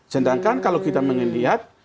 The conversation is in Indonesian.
sedangkan kalau kita melihat